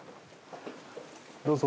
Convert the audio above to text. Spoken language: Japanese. どうぞ。